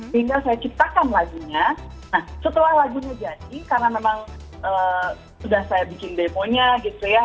sehingga saya ciptakan lagunya nah setelah lagunya jadi karena memang sudah saya bikin demonya gitu ya